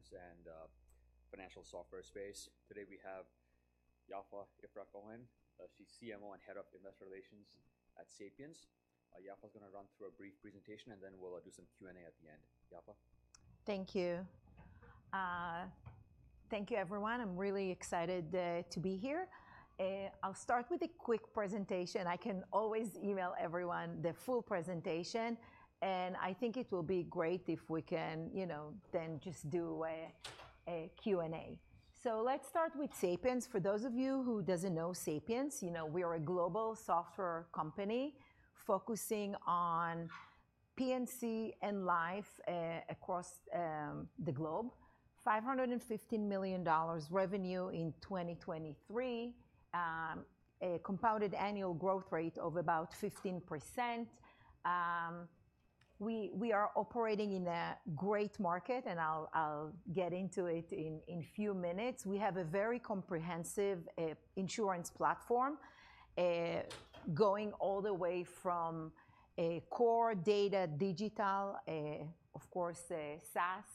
on the payments and financial software space. Today, we have Yaffa Cohen-Ifrah. She's CMO and Head of Investor Relations at Sapiens. Yaffa's gonna run through a brief presentation, and then we'll do some Q&A at the end. Yaffa? Thank you. Thank you, everyone. I'm really excited to be here. I'll start with a quick presentation. I can always email everyone the full presentation, and I think it will be great if we can, you know, then just do a Q&A. So let's start with Sapiens. For those of you who doesn't know Sapiens, you know, we are a global software company focusing on P&C and life across the globe. $515 million revenue in 2023, a compounded annual growth rate of about 15%. We are operating in a great market, and I'll get into it in few minutes. We have a very comprehensive insurance platform going all the way from a core data digital, of course, a SaaS.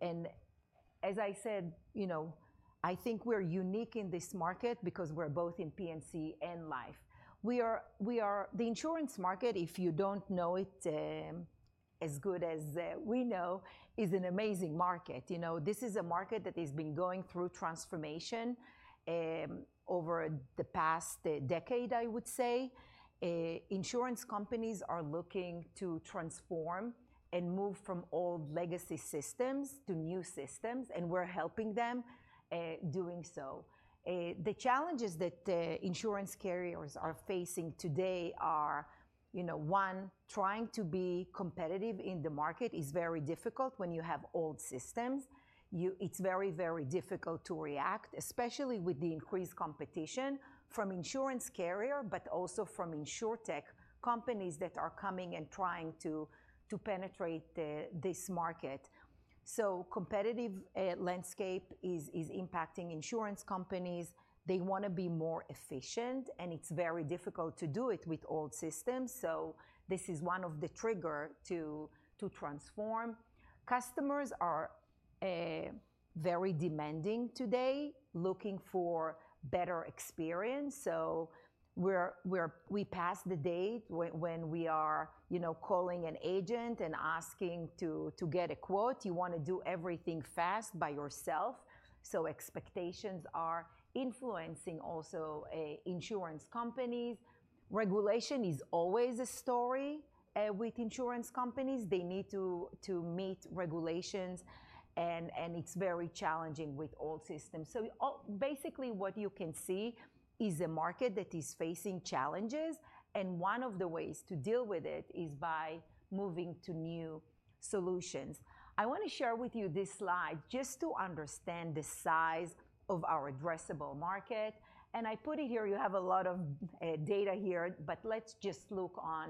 And as I said, you know, I think we're unique in this market because we're both in P&C and life. The insurance market, if you don't know it, as good as we know, is an amazing market. You know, this is a market that has been going through transformation over the past decade, I would say. Insurance companies are looking to transform and move from old legacy systems to new systems, and we're helping them doing so. The challenges that insurance carriers are facing today are, you know, one, trying to be competitive in the market is very difficult when you have old systems. It's very, very difficult to react, especially with the increased competition from insurance carrier, but also from InsurTech companies that are coming and trying to penetrate this market. So competitive landscape is impacting insurance companies. They wanna be more efficient, and it's very difficult to do it with old systems, so this is one of the trigger to transform. Customers are very demanding today, looking for better experience. So we passed the date when we are, you know, calling an agent and asking to get a quote. You wanna do everything fast by yourself, so expectations are influencing also insurance companies. Regulation is always a story with insurance companies. They need to meet regulations, and it's very challenging with old systems. So basically, what you can see is a market that is facing challenges, and one of the ways to deal with it is by moving to new solutions. I wanna share with you this slide just to understand the size of our addressable market, and I put it here. You have a lot of data here, but let's just look on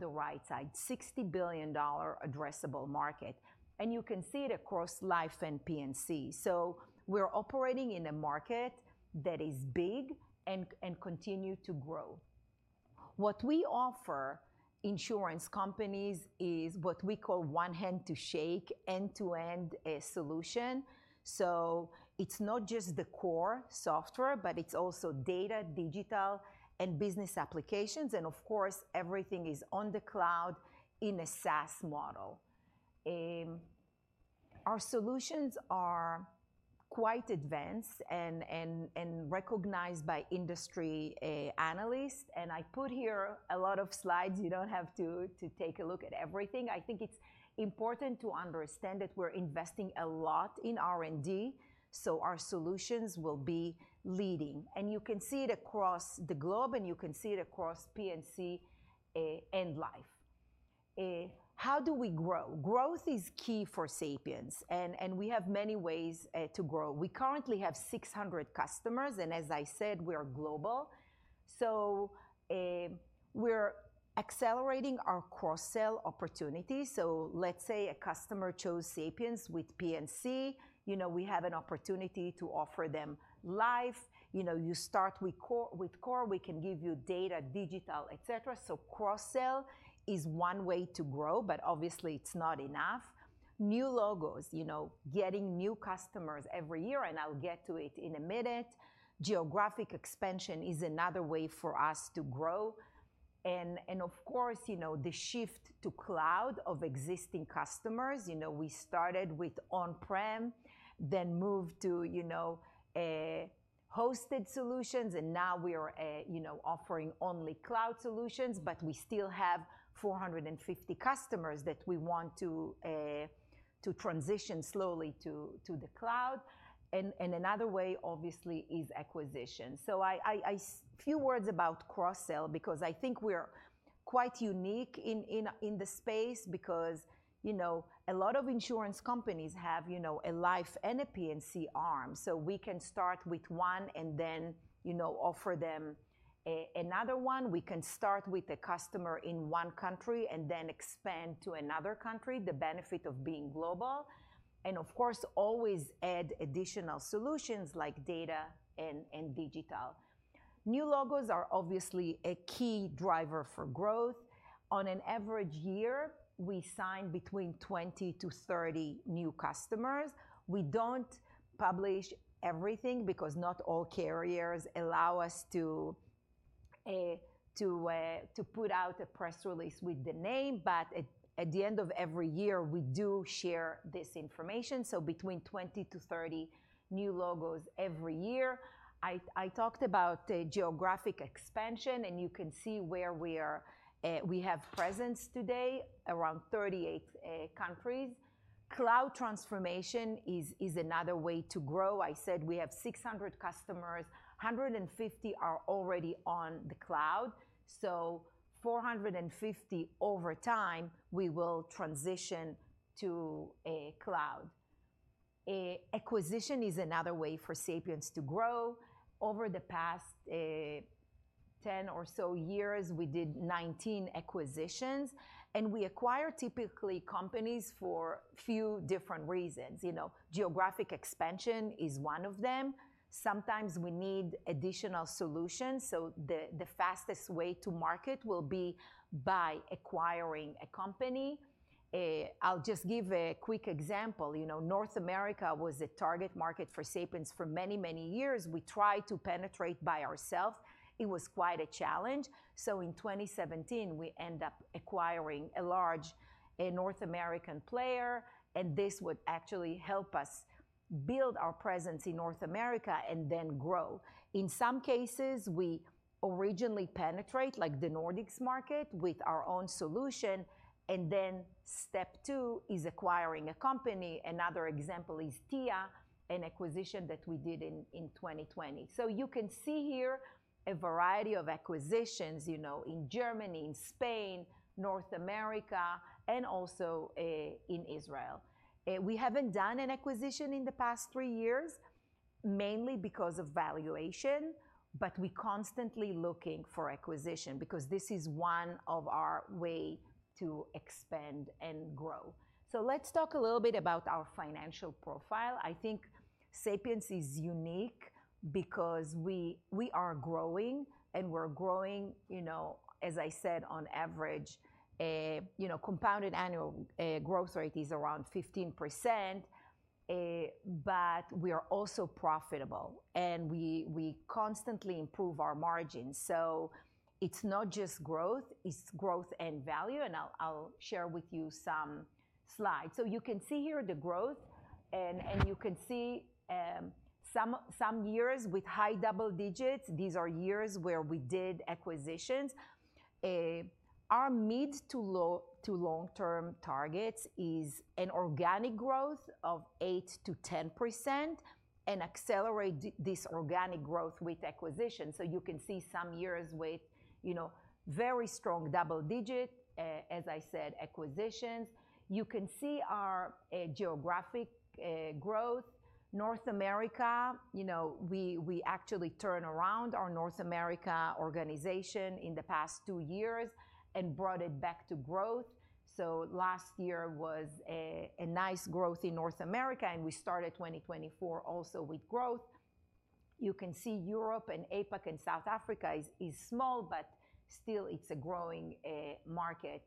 the right side, $60 billion addressable market, and you can see it across life and P&C. So we're operating in a market that is big and continue to grow. What we offer insurance companies is what we call one hand to shake, end-to-end solution. So it's not just the core software, but it's also data, digital, and business applications, and of course, everything is on the cloud in a SaaS model. Our solutions are quite advanced and recognized by industry analysts, and I put here a lot of slides. You don't have to take a look at everything. I think it's important to understand that we're investing a lot in R&D, so our solutions will be leading. And you can see it across the globe, and you can see it across P&C and life. How do we grow? Growth is key for Sapiens, and we have many ways to grow. We currently have 600 customers, and as I said, we are global. So we're accelerating our cross-sell opportunities. So let's say a customer chose Sapiens with P&C, you know, we have an opportunity to offer them life. You know, you start with core, with core, we can give you data, digital, et cetera. So cross-sell is one way to grow, but obviously it's not enough. New logos, you know, getting new customers every year, and I'll get to it in a minute. Geographic expansion is another way for us to grow and, of course, you know, the shift to cloud of existing customers. You know, we started with on-prem, then moved to, you know, hosted solutions, and now we are, you know, offering only cloud solutions, but we still have 450 customers that we want to transition slowly to the cloud. Another way, obviously, is acquisition. So few words about cross-sell, because I think we're quite unique in the space because, you know, a lot of insurance companies have, you know, a life and a P&C arm. So we can start with one and then, you know, offer them another one. We can start with a customer in one country and then expand to another country, the benefit of being global, and of course, always add additional solutions like data and digital.... New logos are obviously a key driver for growth. On an average year, we sign between 20-30 new customers. We don't publish everything because not all carriers allow us to put out a press release with the name, but at the end of every year, we do share this information, so between 20-30 new logos every year. I talked about geographic expansion, and you can see where we are—we have presence today, around 38 countries. Cloud transformation is another way to grow. I said we have 600 customers, 150 are already on the cloud, so 450 over time, we will transition to a cloud. Acquisition is another way for Sapiens to grow. Over the past, 10 or so years, we did 19 acquisitions, and we acquire typically companies for few different reasons. You know, geographic expansion is one of them. Sometimes we need additional solutions, so the fastest way to market will be by acquiring a company. I'll just give a quick example. You know, North America was a target market for Sapiens for many, many years. We tried to penetrate by ourselves. It was quite a challenge, so in 2017, we end up acquiring a large North American player, and this would actually help us build our presence in North America and then grow. In some cases, we originally penetrate, like the Nordics market, with our own solution, and then step two is acquiring a company. Another example is TIA, an acquisition that we did in 2020. So you can see here a variety of acquisitions, you know, in Germany, in Spain, North America, and also in Israel. We haven't done an acquisition in the past three years, mainly because of valuation, but we constantly looking for acquisition because this is one of our way to expand and grow. So let's talk a little bit about our financial profile. I think Sapiens is unique because we are growing, and we're growing, you know, as I said, on average, compounded annual growth rate is around 15%, but we are also profitable, and we constantly improve our margins. So it's not just growth, it's growth and value, and I'll share with you some slides. So you can see here the growth, and you can see some years with high double digits. These are years where we did acquisitions. Our mid- to long-term targets is an organic growth of 8%-10% and accelerate this organic growth with acquisition. So you can see some years with, you know, very strong double-digit, as I said, acquisitions. You can see our geographic growth. North America, you know, we actually turn around our North America organization in the past two years and brought it back to growth. So last year was a nice growth in North America, and we started 2024 also with growth. You can see Europe and APAC and South Africa is small, but still it's a growing market.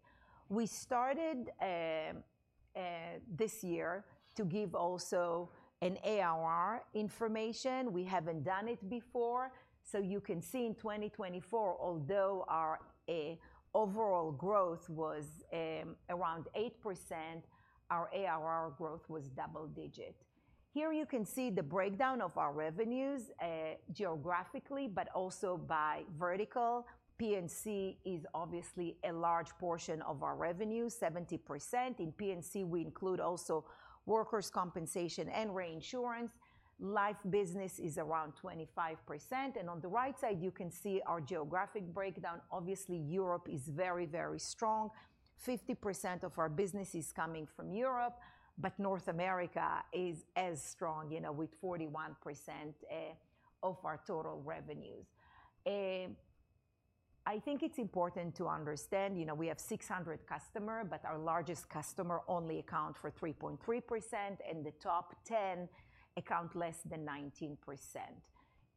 We started this year to give also an ARR information. We haven't done it before. So you can see in 2024, although our overall growth was around 8%, our ARR growth was double-digit. Here you can see the breakdown of our revenues geographically, but also by vertical. P&C is obviously a large portion of our revenue, 70%. In P&C, we include also workers' compensation and reinsurance. Life business is around 25%, and on the right side, you can see our geographic breakdown. Obviously, Europe is very, very strong. 50% of our business is coming from Europe, but North America is as strong, you know, with 41% of our total revenues. I think it's important to understand, you know, we have 600 customers, but our largest customer only accounts for 3.3%, and the top 10 accounts for less than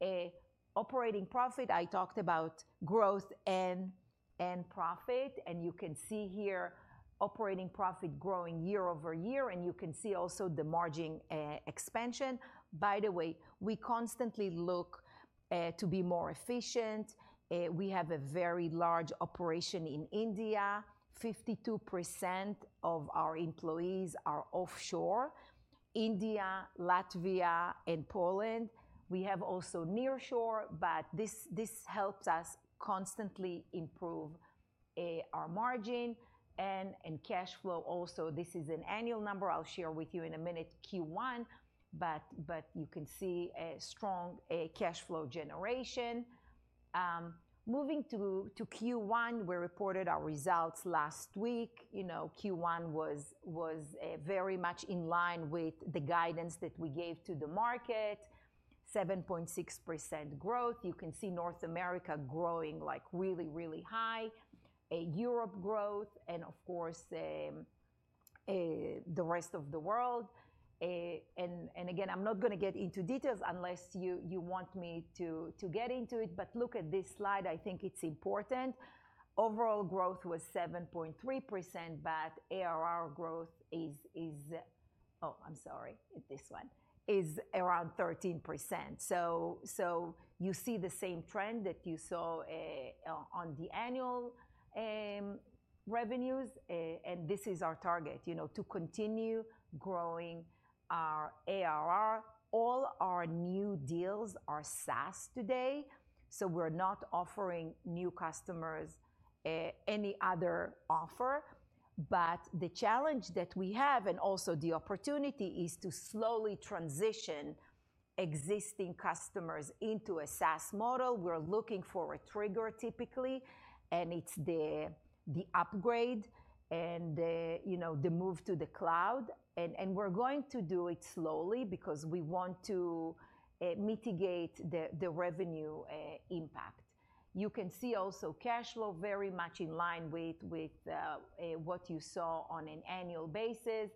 19%. Operating profit, I talked about growth and profit, and you can see here operating profit growing year-over-year, and you can see also the margin expansion. By the way, we constantly look to be more efficient. We have a very large operation in India. 52% of our employees are offshore: India, Latvia, and Poland. We have also nearshore, but this helps us constantly improve our margin and cash flow also. This is an annual number I'll share with you in a minute, Q1, but you can see a strong cash flow generation. Moving to Q1, we reported our results last week. You know, Q1 was very much in line with the guidance that we gave to the market, 7.6% growth. You can see North America growing, like, really, really high, Europe growth, and of course, the rest of the world. And again, I'm not gonna get into details unless you want me to get into it, but look at this slide, I think it's important. Overall growth was 7.3%, but ARR growth is, oh, I'm sorry, this one, is around 13%. So you see the same trend that you saw on the annual revenues. And this is our target, you know, to continue growing our ARR. All our new deals are SaaS today, so we're not offering new customers any other offer. But the challenge that we have, and also the opportunity, is to slowly transition existing customers into a SaaS model. We're looking for a trigger, typically, and it's the upgrade and, you know, the move to the cloud. And we're going to do it slowly because we want to mitigate the revenue impact. You can see also cash flow very much in line with what you saw on an annual basis,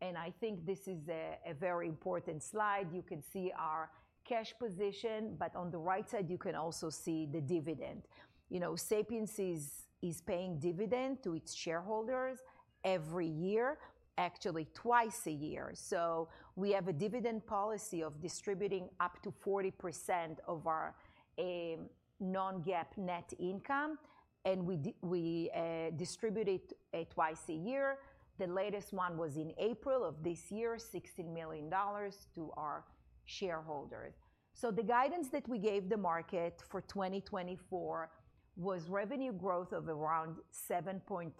and I think this is a very important slide. You can see our cash position, but on the right side, you can also see the dividend. You know, Sapiens is paying dividend to its shareholders every year, actually twice a year. So we have a dividend policy of distributing up to 40% of our non-GAAP net income, and we distribute it twice a year. The latest one was in April of this year, $16 million to our shareholders. So the guidance that we gave the market for 2024 was revenue growth of around 7.3%.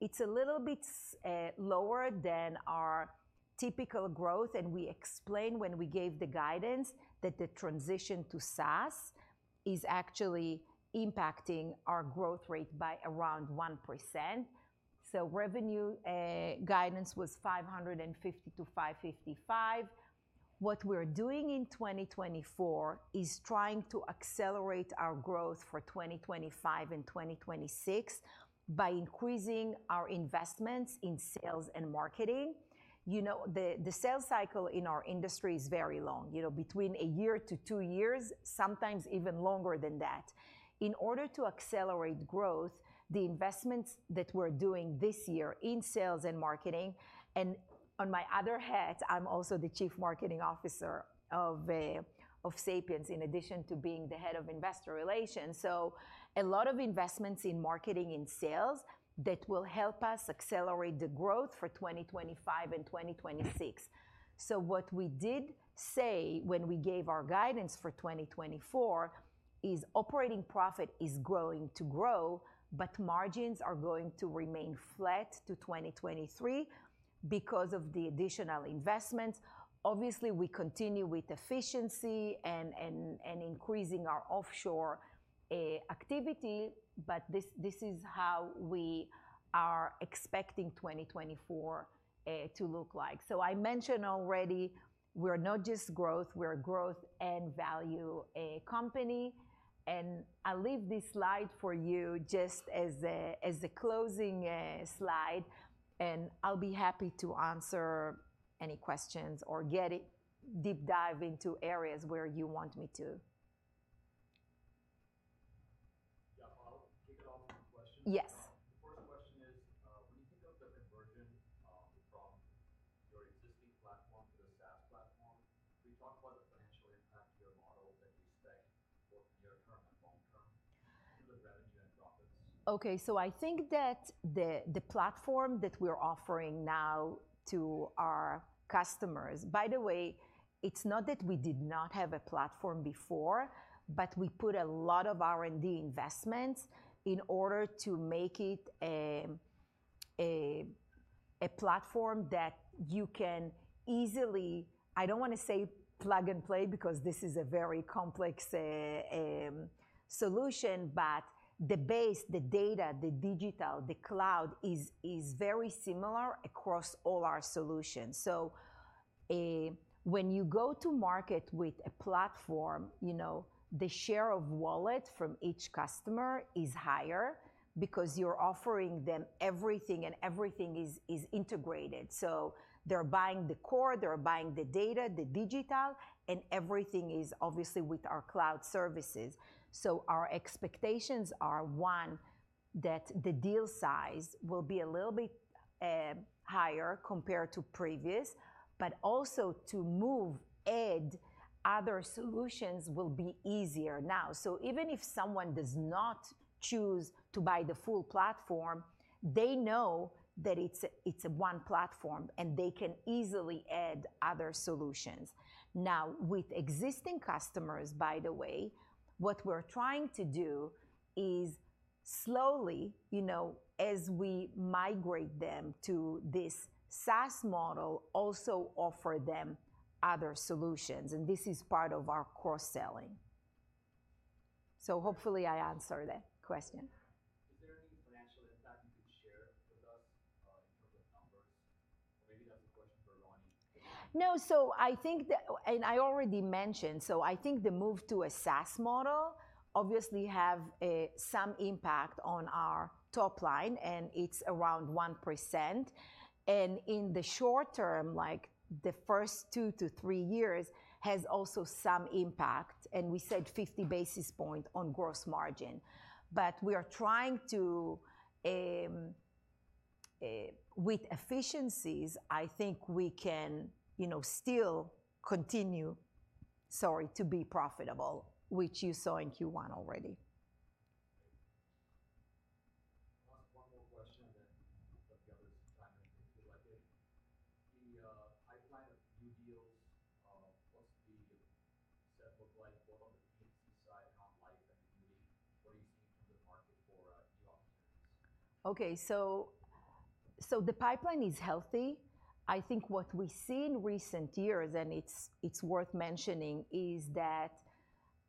It's a little bit lower than our typical growth, and we explained when we gave the guidance that the transition to SaaS is actually impacting our growth rate by around 1%. So revenue guidance was $550-$555. What we're doing in 2024 is trying to accelerate our growth for 2025 and 2026 by increasing our investments in sales and marketing. You know, the sales cycle in our industry is very long, you know, between a year to two years, sometimes even longer than that. In order to accelerate growth, the investments that we're doing this year in sales and marketing. And on my other hat, I'm also the Chief Marketing Officer of Sapiens, in addition to being the Head of Investor Relations. So a lot of investments in marketing and sales that will help us accelerate the growth for 2025 and 2026. So what we did say when we gave our guidance for 2024 is operating profit is going to grow, but margins are going to remain flat to 2023 because of the additional investments. Obviously, we continue with efficiency and increasing our offshore activity, but this is how we are expecting 2024 to look like. So I mentioned already, we're not just growth, we're a growth and value company. And I'll leave this slide for you just as a, as the closing slide, and I'll be happy to answer any questions or get deep dive into areas where you want me to. Yeah. I'll kick it off with some questions. Yes. The first question is, when you think of the conversion from your existing platform to the SaaS platform, can you talk about the financial impact to your model that you expect for near term and long term to the revenue and profits? Okay, so I think that the platform that we're offering now to our customers... By the way, it's not that we did not have a platform before, but we put a lot of R&D investments in order to make it a platform that you can easily. I don't wanna say plug and play, because this is a very complex solution, but the base, the data, the digital, the cloud is very similar across all our solutions. So, when you go to market with a platform, you know, the share of wallet from each customer is higher because you're offering them everything, and everything is integrated. So they're buying the core, they're buying the data, the digital, and everything is obviously with our cloud services. So our expectations are, one, that the deal size will be a little bit higher compared to previous, but also add other solutions will be easier now. So even if someone does not choose to buy the full platform, they know that it's one platform, and they can easily add other solutions. Now, with existing customers, by the way, what we're trying to do is slowly, you know, as we migrate them to this SaaS model, also offer them other solutions, and this is part of our cross-selling. So hopefully I answered that question. Is there any financial impact you could share with us, in terms of-... No, so I think that, and I already mentioned, so I think the move to a SaaS model obviously have some impact on our top line, and it's around 1%. And in the short term, like the first two to three years, has also some impact, and we said 50 basis points on gross margin. But we are trying to with efficiencies, I think we can, you know, still continue, sorry, to be profitable, which you saw in Q1 already. I'll ask one more question, then let the others chime in if they like it. The pipeline of new deals, what's the set look like both on the P&C side, on life, and what are you seeing from the market for new opportunities? Okay. So the pipeline is healthy. I think what we see in recent years, and it's worth mentioning, is that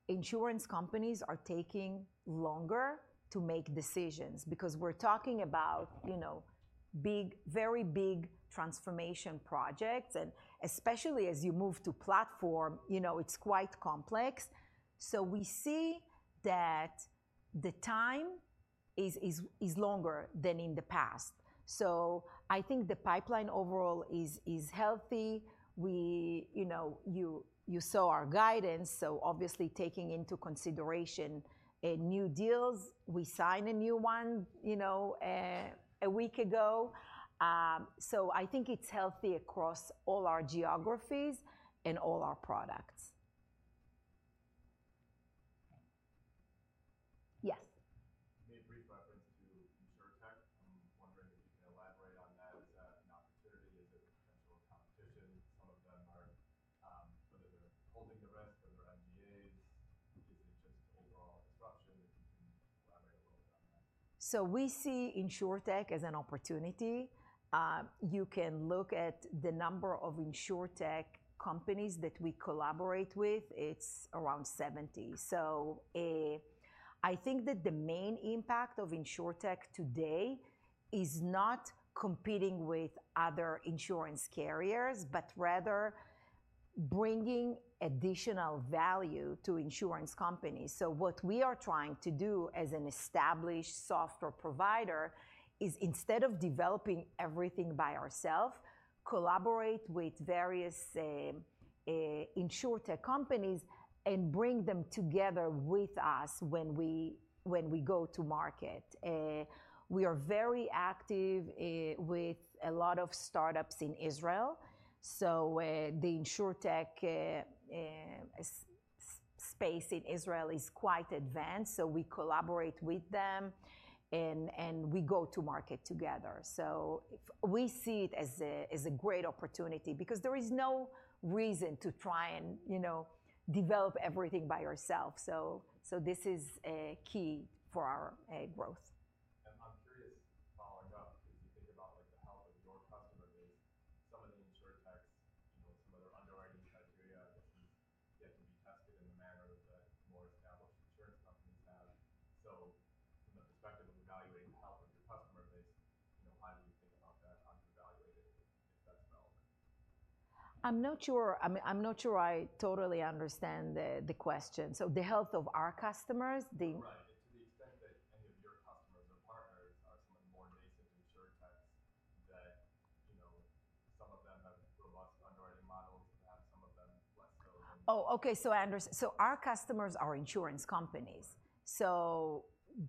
insurance companies are taking longer to make decisions because we're talking about, you know, big, very big transformation projects, and especially as you move to platform, you know, it's quite complex. So we see that the time is longer than in the past. So I think the pipeline overall is healthy. We. You know, you saw our guidance, so obviously taking into consideration new deals. We signed a new one, you know, a week ago. So I think it's healthy across all our geographies and all our products. Yes. You made brief reference to InsurTech. I'm wondering if you can elaborate on that. Is that an opportunity? Is it a potential competition? Some of them are, whether they're holding the risk or they're MBAs, is it just overall disruption? If you can elaborate a little on that. So we see InsurTech as an opportunity. You can look at the number of InsurTech companies that we collaborate with. It's around 70. So I think that the main impact of InsurTech today is not competing with other insurance carriers, but rather bringing additional value to insurance companies. So what we are trying to do as an established software provider is, instead of developing everything by ourself, collaborate with various InsurTech companies and bring them together with us when we go to market. We are very active with a lot of startups in Israel, so the InsurTech space in Israel is quite advanced, so we collaborate with them and we go to market together. So we see it as a great opportunity because there is no reason to try and, you know, develop everything by ourselves. So this is key for our growth.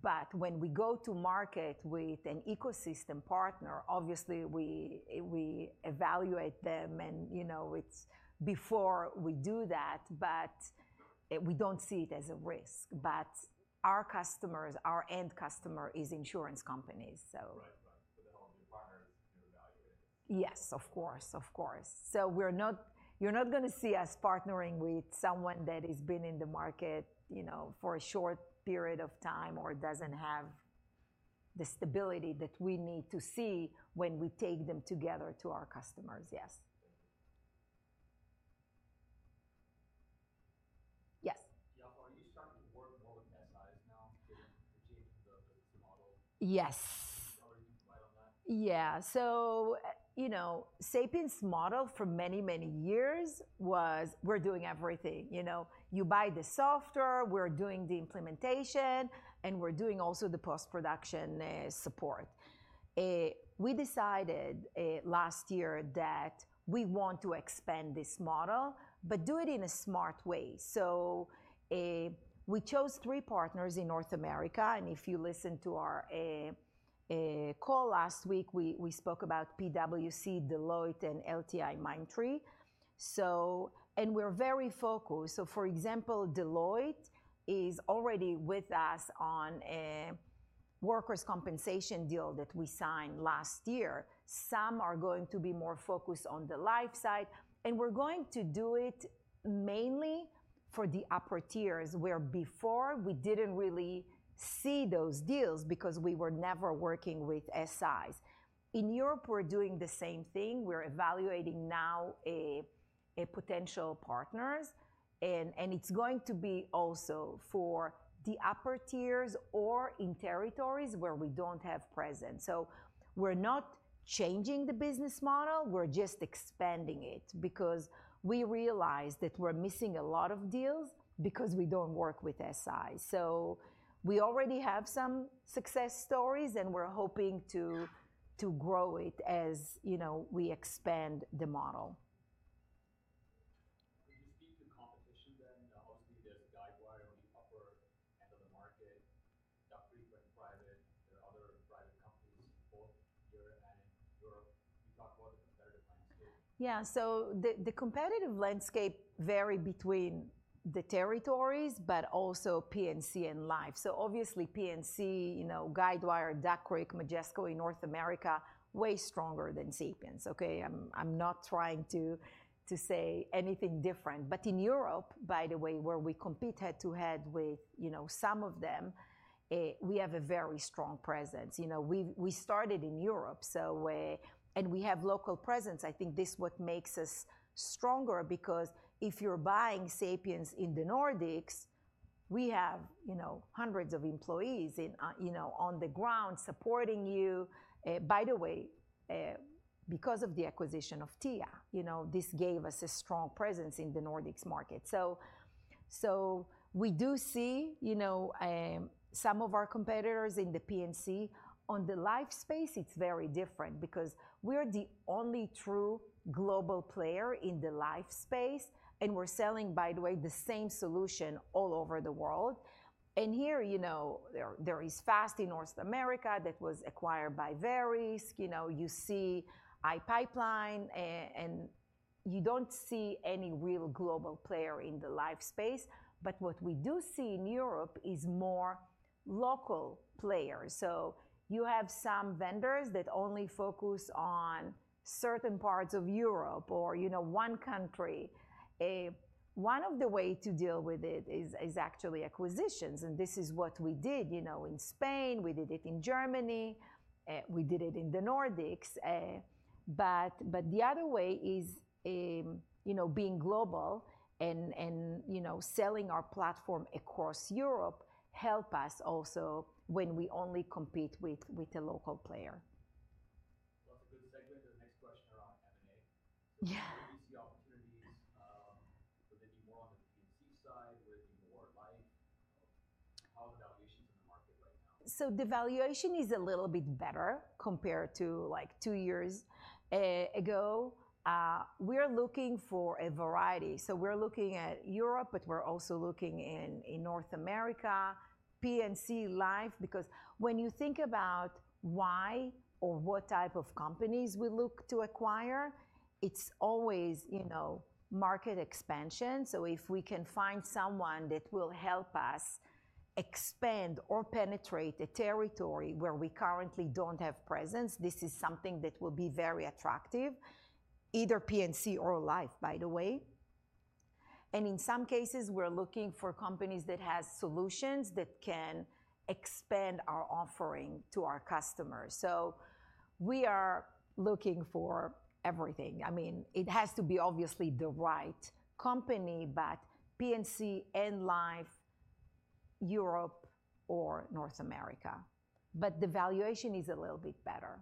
but when we go to market with an ecosystem partner, obviously we, we evaluate them and, you know, it's before we do that, but we don't see it as a risk. But our customers, our end customer, is insurance companies, so. Right. Right. So the health of your partners, you evaluate. Yes, of course. Of course. So we're not. You're not going to see us partnering with someone that has been in the market, you know, for a short period of time or doesn't have the stability that we need to see when we take them together to our customers. Yes. Yes. Yaffa, are you starting to work more with SIs now, given the Sapiens' model? Yes. How are you doing on that? Yeah. So, you know, Sapiens' model for many, many years was, we're doing everything. You know, you buy the software, we're doing the implementation, and we're doing also the post-production support. We decided last year that we want to expand this model, but do it in a smart way. So, we chose three partners in North America, and if you listened to our call last week, we spoke about PwC, Deloitte, and LTIMindtree. So, and we're very focused. So for example, Deloitte is already with us on a workers' compensation deal that we signed last year. Some are going to be more focused on the life side, and we're going to do it mainly for the upper tiers, where before we didn't really see those deals because we were never working with SIs. In Europe, we're doing the same thing. We're evaluating now a potential partners, and it's going to be also for the upper tiers or in territories where we don't have presence. So we're not changing the business model, we're just expanding it, because we realized that we're missing a lot of deals because we don't work with SI. So we already have some success stories, and we're hoping to grow it as, you know, we expand the model. Could you speak to competition then? Obviously, there's Guidewire on the upper end of the market, Duck Creek, private, there are other private companies both here and in Europe. Can you talk about the competitive landscape? Yeah. So the competitive landscape vary between the territories, but also P&C and life. So obviously P&C, you know, Guidewire, Duck Creek, Majesco in North America, way stronger than Sapiens, okay? I'm not trying to say anything different. But in Europe, by the way, where we compete head-to-head with, you know, some of them, we have a very strong presence. You know, we started in Europe, so... And we have local presence. I think this what makes us stronger because if you're buying Sapiens in the Nordics, we have, you know, hundreds of employees in, you know, on the ground supporting you. By the way, because of the acquisition of TIA, you know, this gave us a strong presence in the Nordics market. So we do see, you know, some of our competitors in the P&C. On the life space, it's very different because we're the only true global player in the life space, and we're selling, by the way, the same solution all over the world. And here, you know, there is FAST in North America that was acquired by Verisk. You know, you see iPipeline, and you don't see any real global player in the life space. But what we do see in Europe is more local players. So you have some vendors that only focus on certain parts of Europe or, you know, one country. One of the way to deal with it is actually acquisitions, and this is what we did, you know, in Spain, we did it in Germany, we did it in the Nordics. But the other way is, you know, being global and, you know, selling our platform across Europe help us also when we only compete with a local player. Well, that's a good segment. The next question around M&A. Yeah. So where do you see opportunities? Would they be more on the P&C side? Would it be more life? How are the valuations in the market right now? So the valuation is a little bit better compared to, like, two years ago. We're looking for a variety. So we're looking at Europe, but we're also looking in North America, P&C, life. Because when you think about why or what type of companies we look to acquire, it's always, you know, market expansion. So if we can find someone that will help us expand or penetrate a territory where we currently don't have presence, this is something that will be very attractive, either P&C or life, by the way. And in some cases, we're looking for companies that has solutions that can expand our offering to our customers. So we are looking for everything. I mean, it has to be obviously the right company, but P&C and life, Europe or North America, but the valuation is a little bit better.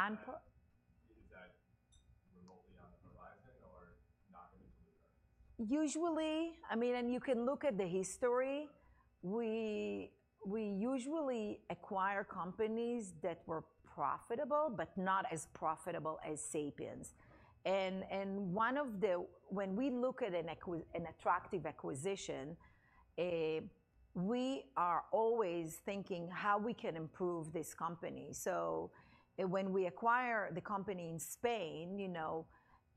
We have a few more minutes. Anyone else? I guess combining that question with mine, how do you think about unprofitable M&A targets, given your emphasis on profitability? Unpro-... Is that remotely on the horizon or not an issue at all? Usually, I mean, and you can look at the history, we usually acquire companies that were profitable but not as profitable as Sapiens. And one of the. When we look at an attractive acquisition, we are always thinking how we can improve this company. So when we acquire the company in Spain, you know,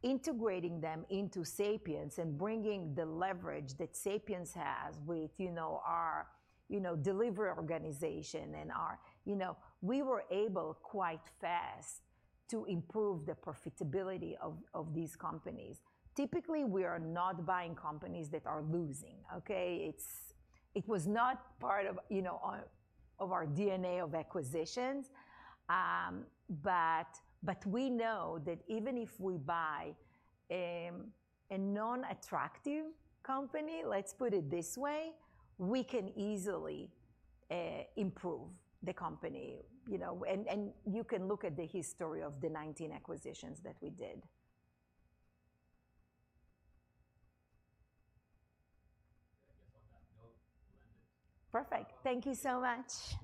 integrating them into Sapiens and bringing the leverage that Sapiens has with, you know, our delivery organization and our. You know, we were able, quite fast, to improve the profitability of these companies. Typically, we are not buying companies that are losing, okay? It was not part of, you know, our DNA of acquisitions. But we know that even if we buy a non-attractive company, let's put it this way, we can easily improve the company, you know. And you can look at the history of the 19 acquisitions that we did. I guess on that note, we'll end it. Perfect. Thank you so much.